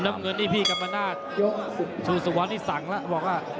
ผมนำเงินที่พี่กัมมานาดชูสุวรรณที่สั่งแล้วบอกว่า